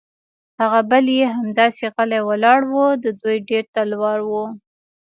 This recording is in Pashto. هغه بل یې همداسې غلی ولاړ و، د دوی ډېر تلوار و.